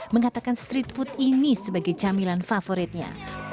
mengatakan street food ini sebagai camilan favoritnya